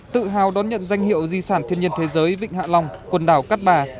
tự hào đón nhận danh hiệu di sản thiên nhiên thế giới vịnh hạ long quần đảo cát bà